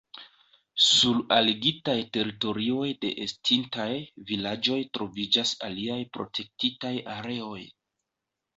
Sur aligitaj teritorioj de estintaj vilaĝoj troviĝas aliaj protektitaj areoj.